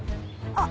あっ！